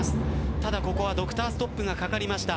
ただ、ここはドクターストップがかかりました。